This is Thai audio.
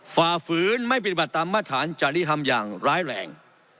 ฝ่าฝืนไม่ปฏิบัติตามมาตรฐานจริธรรมอย่างร้ายแรง